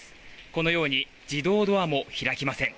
このように自動ドアも開きません。